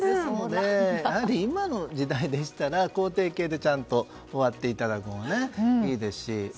やはり、今の時代でしたら肯定系でちゃんと終わっていただくほうがいいですし。